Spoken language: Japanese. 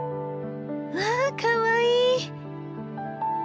わあかわいい！